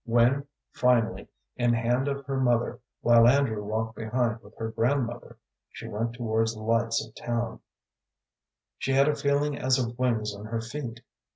When, finally, in hand of her mother, while Andrew walked behind with her grandmother, she went towards the lights of the town, she had a feeling as of wings on her feet.